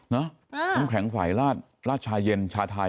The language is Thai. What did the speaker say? น้ำแข็งฝ่ายราชชาเย็นชาไทย